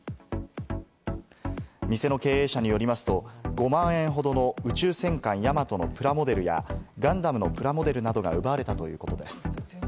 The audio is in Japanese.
店の経営者によりますと、５万円ほどの宇宙戦艦ヤマトのプラモデルや、ガンダムのプラモデルなどが奪われたということです。